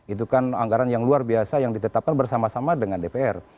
itu kan anggaran yang luar biasa yang ditetapkan bersama sama dengan dpr